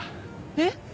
えっ！？